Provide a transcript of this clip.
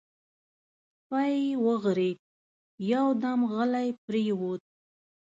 سپی وغرېد، يودم غلی پرېووت.